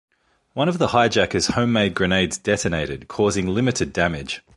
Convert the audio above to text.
One of the hijackers' homemade grenades detonated, causing limited damage.